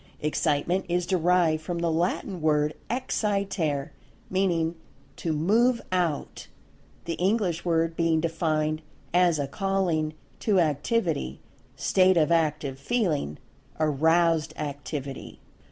"Excitement" is derived from the Latin word Excitare, meaning "to move out"—the English word being defined as "a calling to Activity; state of Active feeling; aroused Activity."